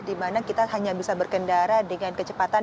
dimana kita hanya bisa berkendara dengan kecepatan